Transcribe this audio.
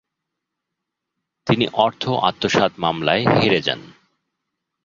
তিনি অর্থ আত্মসাত মামলায় হেরে যান।